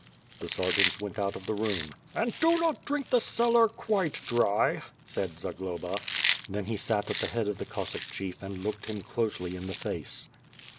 The sergeants went out of the room. "And do not drink the cellar quite dry," said Zagloba. Then he sat at the head of the Cassock chief and looked him closely in the face.